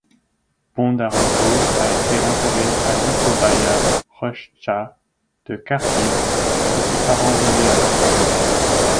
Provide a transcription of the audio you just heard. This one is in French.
Bondarenko a été enterré à Lipovaya Rochtcha de Kharkiv où ses parents vivaient alors.